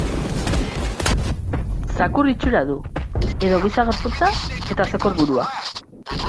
Zakur-itxura du, edo giza gorputza eta zekor-burua.